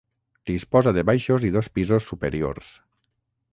Disposa de baixos i dos pisos superiors.